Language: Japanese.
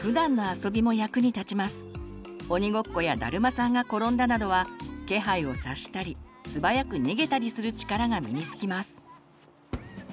「鬼ごっこ」や「だるまさんが転んだ」などは気配を察したり素早く逃げたりする力が身につきます。